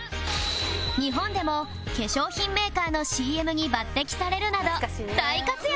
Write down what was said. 日本でも化粧品メーカーの ＣＭ に抜擢されるなど大活躍！